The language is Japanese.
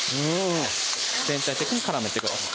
全体的に絡めてください